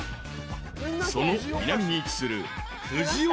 ［その南に位置する］